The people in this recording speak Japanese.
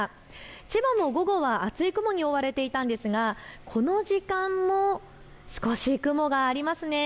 千葉も午後は厚い雲に覆われていたんですが、この時間も少し雲があります。